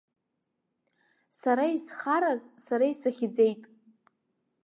Сара исхараз, сара исыхьӡеит.